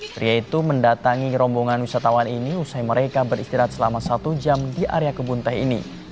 pria itu mendatangi rombongan wisatawan ini usai mereka beristirahat selama satu jam di area kebun teh ini